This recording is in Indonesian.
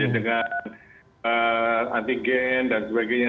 dengan antigen dan sebagainya